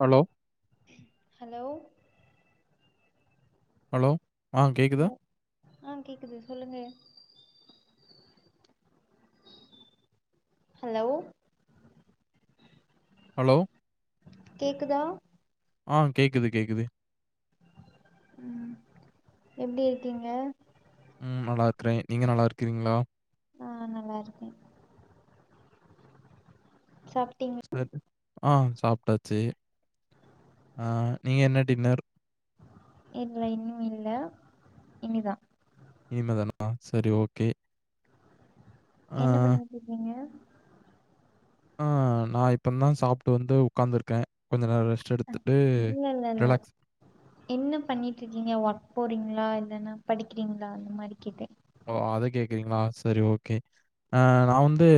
Hello hello hello ஆ கேக்குதா? Hello ஆ கேக்குது சொல்லுங்க ஹலோ ஹலோ கேக்குதா ஆ கேக்குது கேக்குது உம் எப்டி இருக்கீங்க உம் நல்லா இருக்றே நீங்க நல்லா இருக்கிறீங்களா ஆ நல்லா இருக்கே சாப்பிட்டீங்களா சரி. ஆ சாப்ட்டாச்சு ஹ நீங்க என்ன டின்னர் இல்ல இன்னுல்ல இனிதா இன்மே தானா செரி ஓகே ஆ, என்ன பண்ணிட்டு இருக்கீங்கெ ஆ நா இப்பன்தா சாப்ட்டு வந்து உட்காந்துருக்கே கொஞ்சோ நேர ரெஸ்ட் அஹ், எடுத்து இல்ல இல்ல இல்ல என்ன பண்ணிட்டு இருக்கீங்க ஒர்க் போறீங்களா இல்லன்னா படிக்கிறீங்களா அந்த மாரிகெட்ட ஓ அத கேக்குறீங்களா சரி ஓகே ஆ நா வந்து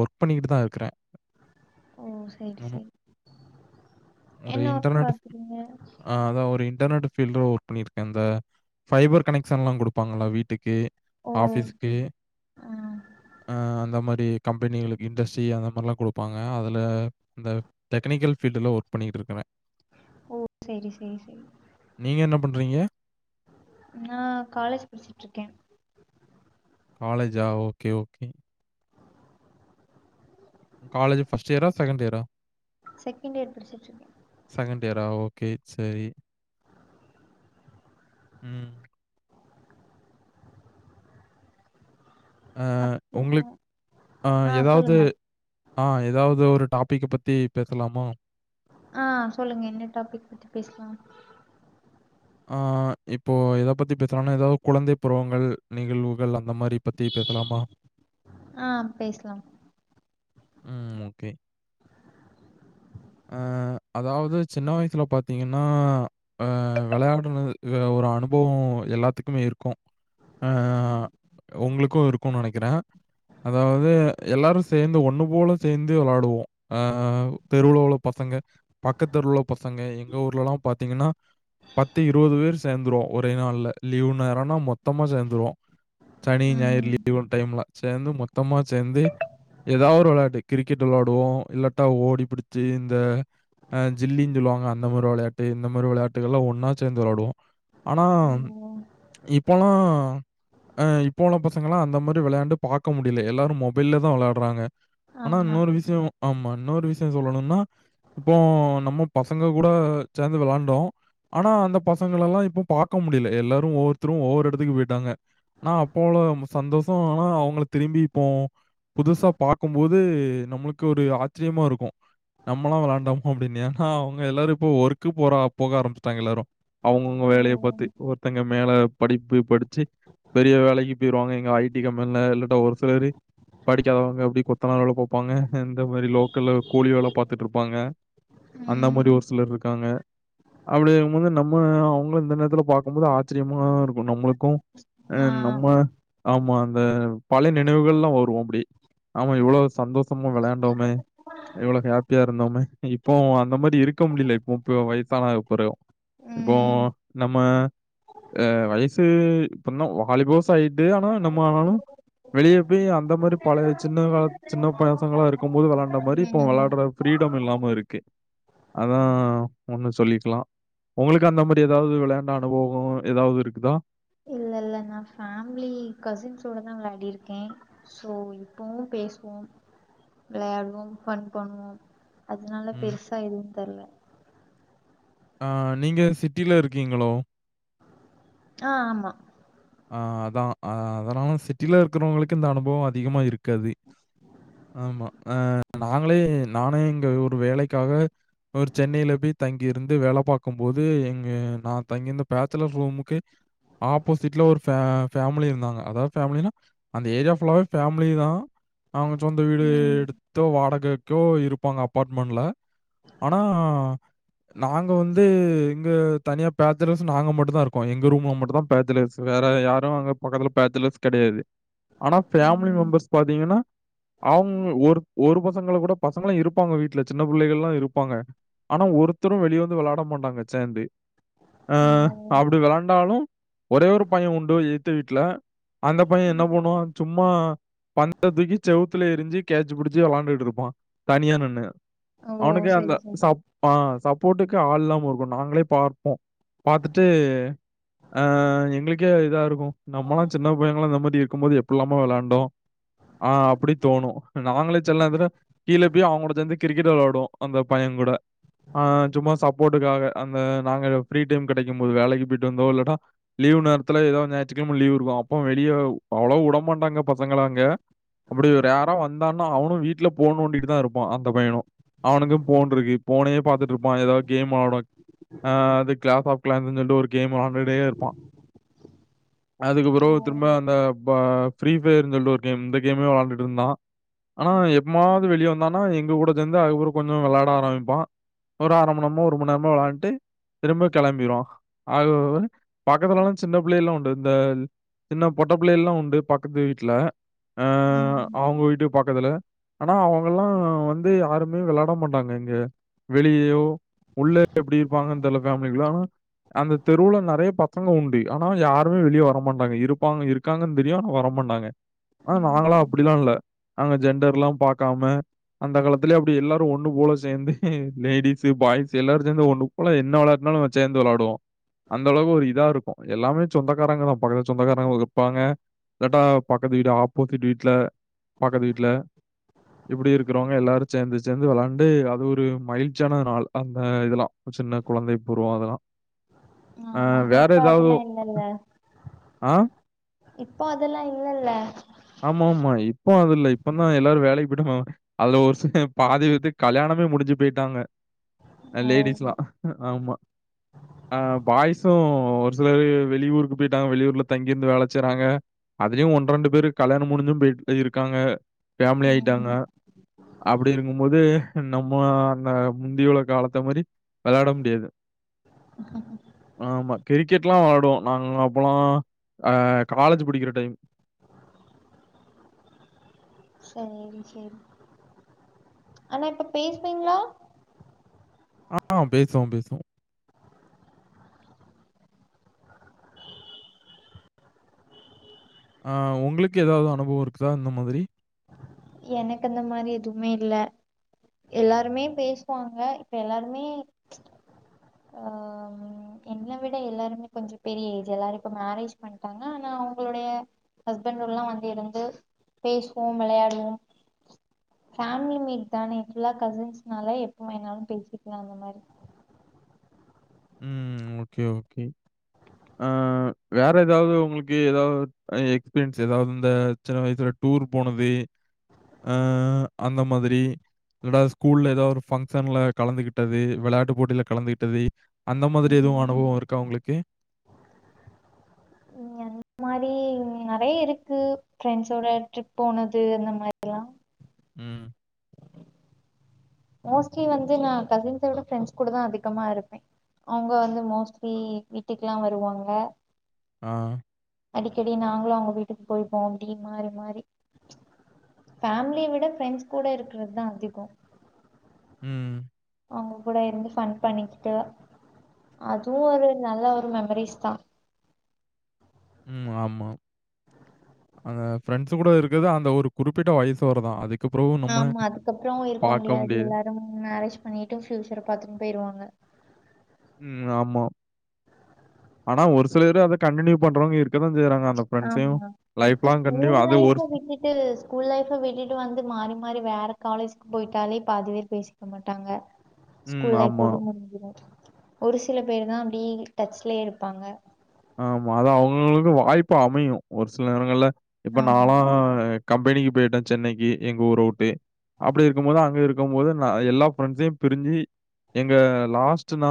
ஒர்க் பண்ணிக்கிட்டு தா இருக்குற ஓ செரி செரி ஒரு இன்டர்நெட் ஆ அதா ஒரு இன்டர்நெட் ஃபில்டர ஒர்க் பண்ணியிருக்க இந்த ஃபைபர் கனெக்ஷன்ல கொடுப்பாங்கள வீட்டுக்கு ஓ ஆபிஸ்கு ஆ அ அந்த மாரி கம்பெனிகளுக்கு இண்டஸ்ட்ரி அந்த மாரிலாம் கொடுப்பாங்க அதில அந்த டெக்னிக்கல் ஃபீல்டில ஒரு பண்ணிகிட்டு இருக்குர ஓ செரி செரி செரி நீங்க என்ன பண்றீங்க நா காலஜ் படிச்சுட்டுருக்க காலேஜா ஓகே ஓகே காலேஜ் ஃஸ்ட் இயரா செகண்ட் இயரா செகண்ட் இயர் படிச்சட்டுருக்க டேரா ஓகே சரி உம் அ அப்றோ உங்களுக் அ ஆ எதாவது சொல்லுங்க ஆ எதாவது ஒரு டாப் டிக்கு பத்தி பேசலாமா ஆ சொல்லுங்க என்ன டாபிக் பத்தி பேசலாம் ஆ இப்போ எத பத்தி பேசலான ஏதாவது குழந்தை பருவங்கள் நிகழ்வுகள் அந் அந்த மாரி பத்தி பேசலாமா ஆ பேசலா ம் ஓகே ஆ அதாவது சின்ன வயசுல பாத்தீங்கன்னா ஆ விளையாடுனது வே ஒரு அனுபவோ எல்லாத்துக்குமே இருக்கூ ஆ உங்களுக்கு இருக்குனு நனைக்கிற அதாவது எல்லாரு சேந்து ஒண்ணு ஓல சேர்ந்தே வலாடுவோ ஆ தெருவுளயுள்ள பசங்க பக்கத் தெருள்ள பசங்க எங்க ஊ ஊர்லலாம் பாத்தீங்கன்னா பத்து இருவது பேர் சேர்ந்துருவோம் ஒரே நாள்ல லீவ் நேரம்னா மொத்தமா சேர்ந்துருவோம் சனி ஞாயிறு ம் லீவு டைம்ல சேர்ந்து மொத்தமா சேர்ந்து ஏதாவ டோலாட்டு கிரிக்கெட் விலாடுவோம் இல்லாட்டா ஓடி பிடிச்சு இந்த ஆ ஜில்லின்னு சொல்லுவாங்க அந்த மாரி விளையாட்டு இந்த மாரி விளையாட்டுகள் எல்லாம் ஒன்னா சேர்ந்து விளாடுவோம் ஆனா ஓ இப்போலா ஆ இப்போ உள்ள பசங்களாம் அந்த மாரி விளையாண்டு பாக்க முடியல எல்லாரும் மொபைல்ல தா விளயாடுறாங்க ஆனா ஆமா இன்னொரு விஷயோ ஆமா இன்னொரு விஷயோ சொல்னா இப்போ நம்ம பசங்க கூட சேர்ந்து விளான்டோ ஆனா அந்த பசங்கள எல்லாம் இப்போ பாக்க முடியல எல்லாரும் ஒவ்வொருத்தரும் ஒவ்வொரு இடத்துக்கு போயிட்டாங்க னா அப்போயுள்ள சந்தோஷம் ஆனா அவங்கள திரும்பி இப்போ புதுசா பாக்கும்போது நம்மளுக்கு ஒரு ஆச்சிரியமா இருக்கும் நம்மளா விளாண்டாமா அப்படின்னு எனா அவங்க எல்லாரும் இப்போ ஒர்க்கு போற போக ஆரம்பச்சட்டாங்க எல்லாரும் அவங்கவுங்க ஓ வேலைய பாத்து ஒருத்தங்க மேல படிப்பு படிச்சு பெரிய வேலைக்கு பேயிருவாங்க எங்க ஐடி கம்பெனில இல்லட்டா ஒரு சிலரு படிக்காதவங்க அப்படி கொத்தனார் வேல பாப்பாங்க இந்த மாரி லோக்கல்ல கூலி வேல பாத்துட்டு இருப்பாங்க அந்த மாரி ம் ஒரு சிலர் இருக்காங்க அப்படிங்க போது நம்ம அவங்க இந்த நேரத்துல பாக்கும்போது ஆச்சிரியமா இருக்கும் நம்மளுக்கும் ஆ ம் நம்ம ஆமா அந்த பழைய நினைவுகள்லாம் வருவோம் அப்டி ஆமா இவ்வளவு சந்தோஷமா விளையாண்டோமே எவ்வளவு ஹாப்பியா இருந்தோமே இப்போ அந்த மாரி இருக்க முடியல இப்ப முப்ப வயசான அப்புறம் இப்போ ம் நம்ம ஆ வயசு இப்ப என்ன வாலிப வயசாய்ட்டு ஆனா நம்ம ஆனாலும் வெளியே போய் அந்த மாரி பழ சின்ன கால சின்ன பசங்களா இருக்கும் போது விளாண்ட மாரி இப்போ ம் விளாட்ற ஃப்ரீடம் இல்லாம இருக்கு அதா ஒண்ணு சொல்லிக்லா ஒங்களுக்கு அந்த மாரி ஏதாவது விளையாண்ட அனுபவோ ஏதாவது இருக்குதா இல்ல இல்ல நா ஃபேமிலி கசின்ஸ்ஸோடதா விளாடிர்க்கே சோ இப்பவு பே சுவோம் விளையாடுவோம் ஃபன் பண்ணுவோம் அதுனால ம். பெருசா எதுவு தெர்ல ஆ நீங்க சிட்டில இருக்கீங்களோ ஆ ஆமா ஆ அதா ஆ அதனால சிட்டில இருக்குறவங்களுக்கு இந்த அனுபவோ அதிகமா இருக்காது ஆமா ஆ நாங்களே நானே இங்க ஒரு வேலைக்காக ஒரு சென்னையில போய் தங்கிருந்து வேல பாக்கும் போது எங்க நா தங்கியிருந்த பேச்சுலர் ரூமுக்கு ஆப்போஸ் சிட்ல ஒரு ஃபே ஃபேமிலி இருந்தாங்க அதாவது ஃபேமிலின்னா அந்த ஏரியா ஃபுல்லாவே ஃபேமிலி தா அவுங்க சொந்த வீடு ம் எடுத்தோ வாடகைக்கோ இருப்பாங்க அப்பார்ட்மண்ட்ல ஆனா நாங்க வந்து இங்க தனியா பேச்சுலர்ஸ் நாங்க மட்டு தா இருப்போ எங்க ரூம்மு மட்டு தா பேச்சுலர்ஸ் வேற யாரும் அங்க பக்கத்துல பேச்சுலர்ஸ் கெடையாது ஆனா ஃபேமிலி ம் மெம்பர்ஸ் பாத்தீங்கன்னா அவங்க ஒரு ஒரு பசங்கள கூட பசங்களு இருப்பாங்க வீட்ல சின்ன புள்ளைகல்லா இருப்பாங்க ஆனா ஒருத்தரும் வெளிய வந்து விளாட மாட்டாங்க சேந்து அ ஓ அப்டி விளாண்டாலு ஒரே ஒரு பையே உண்டு எகுத்த வீட்ல அந்த பையே என்ன பன்னுவா சும்மா பந்த தூக்கி செவுத்துல எருஞ்சு கேட்சு புடுச்சு விளாண்டுட்டுருப்பா தனியா நின்னு ஓ அவனுக்கு அந்த சரி சரி சாப் அ சாப் போட்டுக்கு ஆளில்லாம இருக்கு நாங்களே பாப்போ பாத்துட்டு அ எங்களுக் கே இதா இருக்கு நம்மல்லா சின்ன பையங்கலா இந்த மாதி இருக்கும் போது எப்டி இல்லாம விளாண்டோ ஆ அப்டி தோணு நாங்களே சில்நேரத்துல கீழே போய் அவுங்களோட சேந்து கிரிக்கெட் விளாடுவோ அந்த பையே கூட ஆ சும்மா சப்போர்டுக்காக அந்த நாங்க ஃப்ரீ டைம் கெடைக்கும் போது வேலைக்கு போயிட்டு வந்தோ இல்லனா லீவு நேர த்துல ஏதாவது ஞாயிற்றுக்கிழம லீவு இருக்கு அப்போ வெளிய அவ்ளோ உடமாட்டாங்க பசங்களா அங்க அப்டி ஒரு யாராவ வந்தான்னா அவனு வீட்ல போன் நோண்டிட்டு தா இருப்பா அந்த பையனு அவனுக்கு போன் இருக்கு போனையே பாத்துட்டு இருப்பா ஏதாவது கேம் ஆட ஆ அது கிளாப் ஆஃப் கிளாந்துன் சொல்ட்டு ஒரு கேம் விளாண்டுட்டே இருப்பா அதுக்கப்பறோ ஓ திரும்ப அந்த ப ஃப்ரீ ஃபயர்னு சொல்ட்டு ஒரு கேம் இந்த கேமே விளாண்டுட்டு இருந்தா ஆனா எப்மாவது வெளிய வந்தானா எங்க கூட சேந்து அதுகப்றோ கொஞ்சோ விளாட ஆரம்பிப்பா ஒரு அர மண் நேரமோ ஒரு மண் நேரமோ விளாண்டு திரும்ப கெளம்பிருவா [unintelligible] பக்கத்துலல்லா சின்ன புள்ளையல்லா உண்டு இந்த சின்ன பொட்ட புள்ளையல்லா உண்டு பக்கத்து வீட்ல ஆ ம் அவுங்க வீட்டுக் பக் கதுல ஆனா அவுங்கல்லா வந்து யாருமே விளாட மாட்டாங்க இங்க வெளியயோ உள்ள எப்டி இருப்பாங்கன் தெர்ல ஃபேமிலிகுள்ள ஆனா அந்த தெருவுல நெறைய பசங்க உண் டு ஆனா யாருமே வெளிய வர மாட்டாங்க இருப்பாங்க இருக்காங்கன் தெரியு ஆனா வரமாட்டாங்க ஆனா நாங்களா ம் அப்டிலா இல்ல நாங்க ஜெண்டர்ல்லா பாக்காம அந்த காலத்துலயே அப்டி எல்லாரு ஒண்ணு போல சேந்து லேடிஸு பாய்ஸு எல்லாரு சேந்து ஒண்ணு போல என்ன விளாட் னாலு சேந்து விளாடுவோ அந்த அளவுக்கு ஒரு இதா இருக்கு எல்லாமே சொந்தக்காரங்க தா பக்கத்துல சொந்தக்காரங்க ஒ இருப்பாங்க இல்லாட்டா பக்கத்து வீடு ஆப்போசிட் வீட்ல பக்கத்து வீட்ல இப்புடி இருக்குறவங்க எல்லாரு சேந்து சேந்து விளாண்டு அது ஒரு மகிழ்சியான நாள் அந்த இதெல்லா சின்ன குழந்தை பருவோ அதல்லா ஆமானே இப்ப அ அதல்லா இல்லல்ல ஆ இப்போ அதல்லா இல்லல்ல [unintelligible] இப்போ அது இல்ல இப்ப தா எல்லாரு வேலைக்கு போய்டாங்கோ அதுல ஒரு சில பாதி பேத்துக் கல்யாணமே முடுஞ்சு போய்ட்டா காங்க ஓ லேடிஸ்லாம் ஆமா பாய்ஸும் ஒரு சிலர் வெளியூருக்கு போயிட்டாங்க வெளியூர்ல தங்கிருந்து வேல செய்றாங்கதுலயும் ஒன்று ரெண்டு பேறு கல்யாணம் முடிஞ்சும் போயிட்டு இருக்காங்க ஃபேமிலி ஆயிட்டாங்க ம் அப்படி இருக்கும்போது நம்ம அந்த முந்தியோல காலத்த மாதிரி விளையாட முடியாது ஆமா கிரிக் கெட் எலாம் விளையாடுவோம் நாங்க அப்பல்லா அ காலேஜ் படிக்கிற டைம் சரி சரி ஆனா இப்ப பேசுவீங்களா ஆ பேசோவோம் பேசோவோம் அ உங்களுக்கு ஏதாவது அனுபவம் இருக்குதா இந்த மாதிரி எனக்கு அந்த மாதிரி எதுவுமே இல்ல எல்லாருமே பேசுவாங்க இப்ப எல்லாருமே ஆ என்னை விட எல்லாருமே கொஞ்சம் பெரிய ஏஜ் எல்லாரும் இப்ப மேரேஜ் பண்ட்டாங்க ஆனா அவங்களுடைய ஹஸ்பண்ட்ல்லா வந்து இருந்து பேசுவோம் விளையாடுவோம் ஃபேமிலி மீட் தானே ஃபுல்லா கசின்ஸ்னால எப்பவுமானாலு பேசிக்கலா அந்த மாதிரி ம் ஓகே ஓகே ஆ வேற ஏதாவது உங்களுக்கு ஏதாவது எக்ஸ்பீரியன்ஸ் ஏதாவது இந்த சின்ன வயசுல டூர் போனது அ அந்த மாதிரி ரெண்டாவது ஸ்கூல்ல ஏதாவது ஒரு பங்க்ஷன்ல கலந்துகிட்டது விளையாட்டு போட்டியில கலந்துகிட்டது அந்த மாதிரி எதுவும் ம் அனுபவம் இருக்கா உங்களுக்கு மாதிரி நிறைய இருக்கு ஃப்ரெண்ட்ஸோட ட்ரிப் போனது அந்த மாதிரில்லா உம் மோஸ்ட்லி வந்து நா கசின்ஸ விட ஃரெண்ட்ஸ் கூட தா அதிகமா இருப்பேன் அவங்க வந்து மோஸ்ட்லி வீட்டுக்குல்லாம் வருவாங்க ஆ அடிக்கடி நாங்களும் அவங்க வீட்டுக்கு போயப்போம் அப்படி மாறி மாறி ஃபேமிலிய விட ஃப்ரெண்ட்ஸ் கூட இருக்கிறது தா அதிகம் உம் அவங்க கூட இருந்து ஃபன் பண்ணிக்கிட்டு அதுவும் ஒரு நல்ல ஒரு மெமரிஸ் தா உம் ஆமா அந்த ஃப்ரெண்ட்ஸ் கூட இருக்குது அந்த ஒரு குறிப்பிட்ட வயசு வரதா அதுக்கு பிறகு நம்ம ஆமா அதுக்கப்புறம் இருக்க முடியாது எல்லாரும் மேரேஜ் பண்ணிட்டுும் பியூச்சர் பாத்துட்டு போயிருவாங்க உம் ஆனா ஒரு சிலரூ அத கண்டினியூ பண்றவங்க இருக்கதா ஆமா இப்ப கன்டின்யூ ஸ்கூல் அது லைஃப் ஒரு விட்டுட்டு ஸ்கூல் லைஃப் விட்டுட்டு வந்து மாறி மாறி வேற காலேஜுக்கு போயிட்டாலே பாதி வேர் பேசிக்க மாட்டாங்க ம். ஸ்கூல் லைஃப் ஆமா. ஓட முடிஞ்சுரு ஒரு சில பேருதா அப்டி டச்லயே இருப்பாங்க ஆமா அது அவங்கவுங்களுக்கு வாய்ப்பு அமையு ஒரு சில நேரங்கள்ல இப்ப ஆமா. நாலா கம்பெனிக்கு போயிட்டே சென்னைக்கு எங்க ஊர வுட்டு அப்டி இருக்கும் போது அங்க இருக்கும் போது நா எல்லா ஃபிரெண்ட்ஸையு பிரிஞ்சு எங்க லாஸ்ட் நா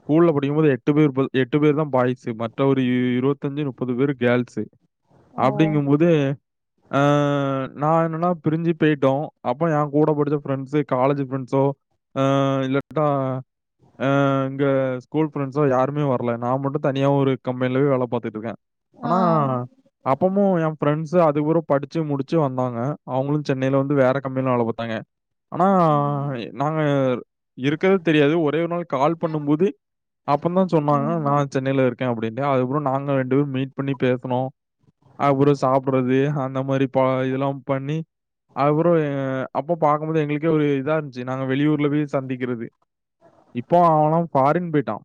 ஸ்கூல்ல படிக்கும்போது எட்டு பேர் எட்டு பேர் தா பாய்ஸு மத்த ஒரு இருபத்தஞ்சு முப்பது பேரு கேர்ள்ஸு ஓ! அப்டிங்கும்போது ஆ நா என்னன்னா பிரிஞ்சு போயிட்டோ அப்போ எங் கூட படிச்ச ஃப்ரெண்ட்ஸு காலேஜ் பிரண்ட்ஸோ ஆ இல்லட்டா அ இங்க ஸ்கூல் ஃப்ரெண்ட்ஸோ யாருமே வர்ல நா மட்டு தனியா ஒரு கம்பெனில போய் வேல பாத்துட்ருக்க ஆ. ஆனா அப்பமு எ ஃப்ரெண்ட்ஸு அது கூற படிச்சு முடிச்சு வந்தாங்க அவங்களு சென்னையில வந்து வேற கம்பெனில வேல பாத்தாங்க ஆனா ம். நாங்க இருக்கதே தெரியாது ஒரே ஒரு நாள் கால் பண்ணும்போது அப்பதா சொன்னாங்க நா ம். மேல இருக்கே அப்டின்டு அதுக்கப்றோ நாங்க ரெண்டு பேர் மீட் பண்ணி பேசுனோ அப்றோ சாப்ட்றது அந்த மாரி பா இதெல்லாம் பண்ணி அப்றோ ஆ அப்போ பாக்கும்போது எங்களுக்கே ஒரு இதா இருந்துச்சு நாங்க வெளியூர்ல போய் சந்திக்கிறது இப்போ அவனூ ஃபாரின் போயிட்டா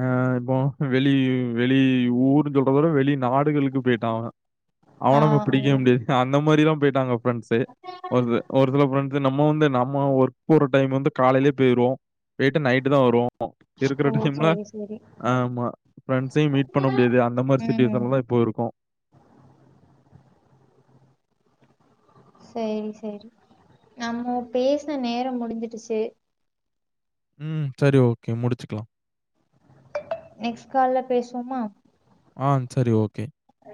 ஆ போ வெளி வெளி ஊருன் சொல்றதோட வெளி நாடுகளுக்கு போயிட்டா அவ ஆ. அவ ஆ. நம்ம பிடிக்கே முடியாது அந்த மாரிலா போயிட்டாங்க ஃப்ரெண்ட்ஸு ஒருச ஒரு சில ஃப்ரெண்ட் இது நம்ம வந்து நம்ம ஒர்க் போற டைம் வந்து காலையிலே போயிரோ போய்ட்டு நைட்டு தா வருவோ ஒ இருக்கற ஓ! டைம்ல சரி, சரி. ஆமா ஃப்ரெண்ட்ஸையூ மீட் பண்ண முடியாது அந்த மாரி ம். சிடுவேஷன்லா இப்ப இருக்கோ சேரி செரி நம்மோ பேசின நேரம் முடிஞ்சிடுச்சு ம் சரி ஓகே முடிச்சுக்கலா நெக்ஸ்ட் கால்ல பேசுவோமா ஆ செரி ஓகே ஆ